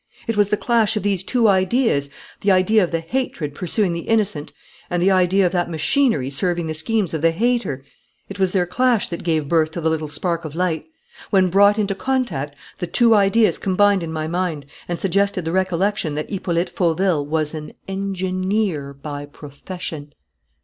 It was the clash of these two ideas the idea of the hatred pursuing the innocent and the idea of that machinery serving the schemes of the 'hater' it was their clash that gave birth to the little spark of light. When brought into contact, the two ideas combined in my mind and suggested the recollection that Hippolyte Fauville was an engineer by profession!"